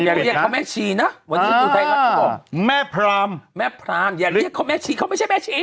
อย่าเรียกเขาแม่ชีนะแม่พราหมณ์แม่พราหมณ์อย่าเรียกเขาแม่ชีเขาไม่ใช่แม่ชี